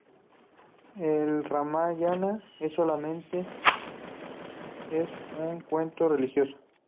El "Ramayana" no solamente es un cuento religioso.